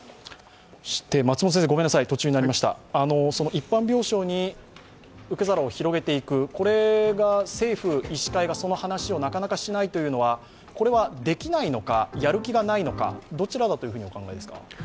松本先生、ごめんなさい、途中になりました、一般病床に受け皿を広げていく、これが政府、医師会がその話をなかなかしないというのはこれはできないのかやる気がないのかどちらだとお考えですか？